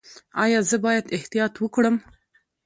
ایا زه باید احتیاط وکړم؟